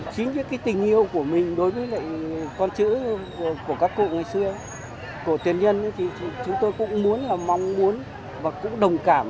chính cái tình yêu của mình đối với con chữ của các cụ ngày xưa của tiền nhân thì chúng tôi cũng muốn là mong muốn và cũng đồng cảm